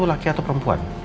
laki atau perempuan